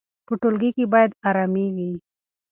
په ټولګي کې باید ارامي وي.